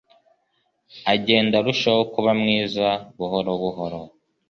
agenda arushaho kuba mwiza buhoro buhoro